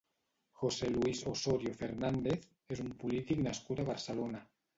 José Luis Osorio Fernández és un polític nascut a Barcelona.